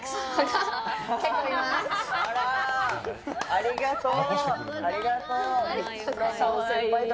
ありがとう。